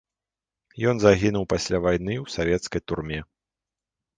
Ён загінуў пасля вайны ў савецкай турме.